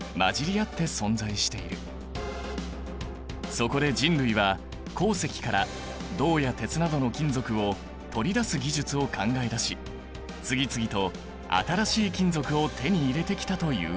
そこで人類は鉱石から銅や鉄などの金属を取り出す技術を考え出し次々と新しい金属を手に入れてきたというわけだ。